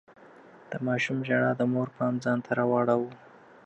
د ماشوم ژړا د مور پام ځان ته راواړاوه.